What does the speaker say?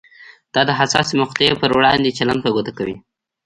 دا د حساسې مقطعې پر وړاندې چلند په ګوته کوي.